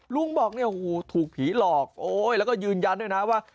ลุงบอกเนี่ยโอ้โหถูกผีหลอกโอ้ยแล้วก็ยืนยันด้วยนะว่า